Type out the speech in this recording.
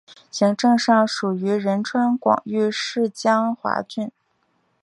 行政上属于仁川广域市江华郡。